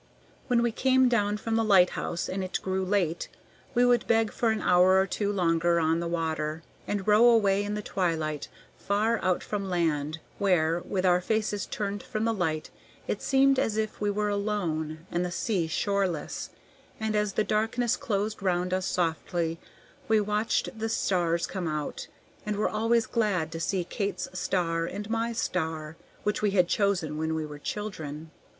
When we came down from the lighthouse and it grew late, we would beg for an hour or two longer on the water, and row away in the twilight far out from land, where, with our faces turned from the Light, it seemed as if we were alone, and the sea shoreless; and as the darkness closed round us softly, we watched the stars come out, and were always glad to see Kate's star and my star, which we had chosen when we were children.